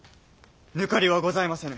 抜かりはございませぬ！